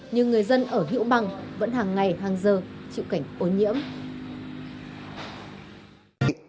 nhưng người dân ở hữu bằng vẫn hàng ngày hàng giờ chịu cảnh ô nhiễm